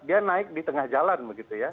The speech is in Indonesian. dia naik di tengah jalan begitu ya